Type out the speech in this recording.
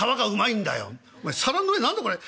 お前皿の上何だこれ。